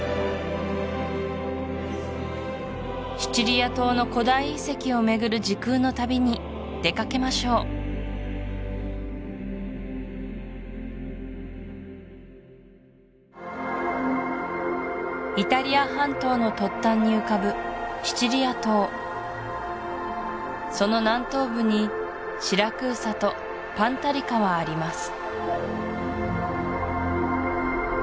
シチリア島の古代遺跡をめぐる時空の旅に出かけましょうイタリア半島の突端に浮かぶシチリア島その南東部にシラクーサとパンタリカはあります